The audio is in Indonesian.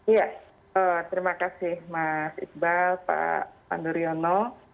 iya terima kasih mas iqbal pak panduryono